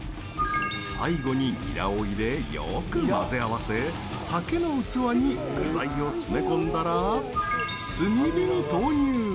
最後にニラを入れよく混ぜ合わせ竹の器に具材を詰め込んだら炭火に投入。